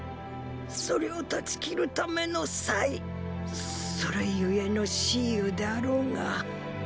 それを断ち切るための“祭”それ故の蚩尤であろうが。